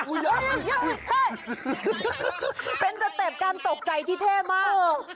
เฮ้ยเฮ้ยเป็นสเต็บการตกใจที่เท่มาก